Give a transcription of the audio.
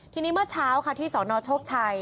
ทีนี้เมื่อเช้าค่ะที่สนโชคชัย